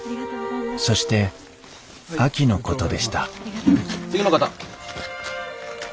そして秋のことでした次の方。